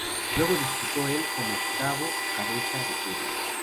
Luego disputó el como octavo cabeza de serie.